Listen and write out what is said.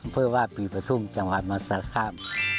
เพื่อว่าปีประทุมจังหวัดมหาสารคาม